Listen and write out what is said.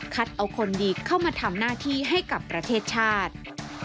เอาคนดีเข้ามาทำหน้าที่ให้กับประเทศชาติ